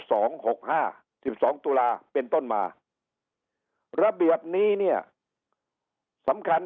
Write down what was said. หกห้าสิบสองตุลาเป็นต้นมาระเบียบนี้เนี่ยสำคัญ